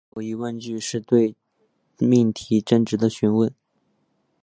是非疑问句是对命题真值的询问。